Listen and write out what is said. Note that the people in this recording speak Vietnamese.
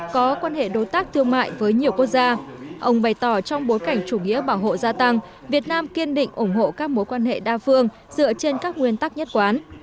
có quan hệ đối tác thương mại với nhiều quốc gia ông bày tỏ trong bối cảnh chủ nghĩa bảo hộ gia tăng việt nam kiên định ủng hộ các mối quan hệ đa phương dựa trên các nguyên tắc nhất quán